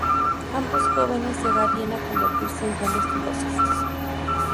Ambos jóvenes llegarían a convertirse en grandes filósofos.